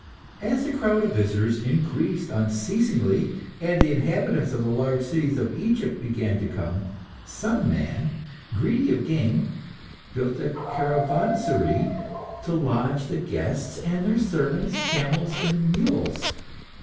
As the crowd of visitors increased unceasingly, and the inhabitants of the large cities of Egypt began to come, some man, greedy of gain, built a caravanserai to lodge the guests and their servants, camels, and mules.